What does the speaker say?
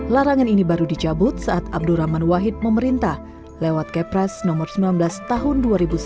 larangan ini baru dicabut saat abdurrahman wahid memerintah lewat kepres nomor sembilan belas tahun dua ribu sembilan belas